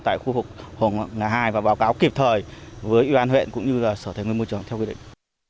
tại khu vực hồ hai và báo cáo kịp thời với ủy ban huyện cũng như sở tài nguyên môi trường theo quy định